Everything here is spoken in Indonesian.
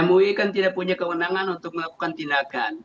mui kan tidak punya kewenangan untuk melakukan tindakan